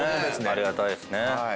ありがたいですね。